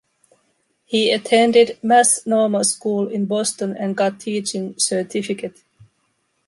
He attended Mass Normal School in Boston and got teaching certificate.